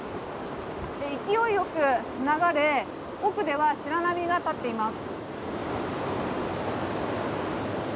勢いよく流れ奥では白波が立っています。